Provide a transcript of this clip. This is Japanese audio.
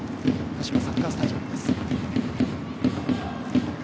カシマサッカースタジアムです。